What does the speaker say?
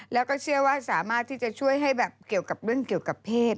แล้วก็เชื่อว่าสามารถที่จะช่วยให้แบบเกี่ยวกับเรื่องเกี่ยวกับเพศ